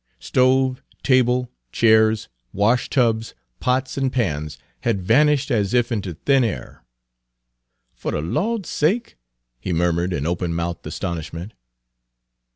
Stove, table, chairs, wash tubs, pots and pans, had vanished as if into thin air. "Fo' de Lawd's sake!" he murmured in open mouthed astonishment.